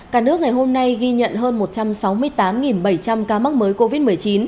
cả nước ngày hôm nay ghi nhận hơn một trăm sáu mươi tám bảy trăm linh ca mắc mới covid một mươi chín